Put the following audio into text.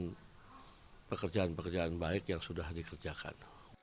dan pekerjaan pekerjaan baik yang sudah dikerjakan